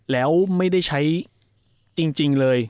แล้วไม่ได้ใช้จริงเลย